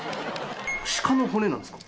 鹿の骨なんですか？